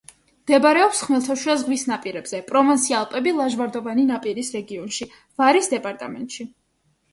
მდებარეობს ხმელთაშუა ზღვის ნაპირებზე, პროვანსი-ალპები-ლაჟვარდოვანი ნაპირის რეგიონში, ვარის დეპარტამენტში.